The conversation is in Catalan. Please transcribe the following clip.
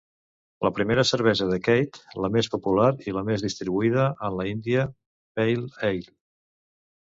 La primera cervesa de Keith, la més popular i la més distribuïda és la India Pale Ale.